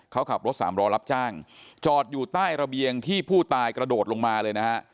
เขาขับรถสามรอรับจ้างจอดอยู่ใต้ระเบียงที่ผู้ตายกระโดดลงมาเลยนะฮะ